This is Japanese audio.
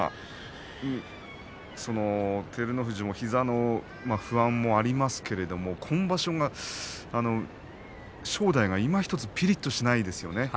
照ノ富士も膝の不安もありますけれど今場所は正代がいまひとつぴりっとしないですよね。